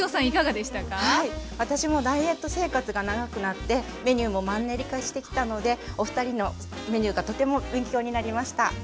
はい私もダイエット生活が長くなってメニューもマンネリ化してきたのでお二人のメニューがとても勉強になりました。